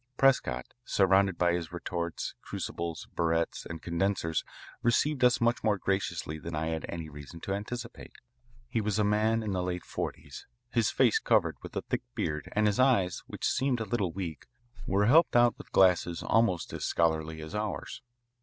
Prescott, surrounded by his retorts, crucibles, burettes, and condensers, received us much more graciously than I had had any reason to anticipate. He was a man in the late forties, his face covered with a thick beard, and his eyes, which seemed a little weak, were helped out with glasses almost as scholarly as ours.